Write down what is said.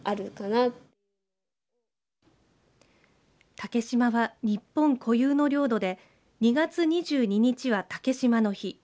竹島は日本固有の領土で２月２２日は竹島の日。